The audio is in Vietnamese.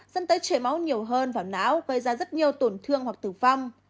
dẫn tới chế máu nhiều hơn vào não gây ra rất nhiều tổn thương hoặc tử vong